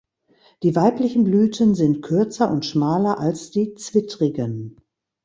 Die weiblichen Blüten sind kürzer und schmaler als die zwittrigen.